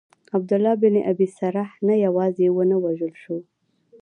عبدالله بن ابی سرح نه یوازي ونه وژل سو.